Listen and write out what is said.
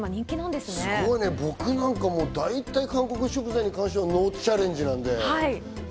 すごいね、僕なんか、韓国食材に関しては、ノーチャレンジなんで。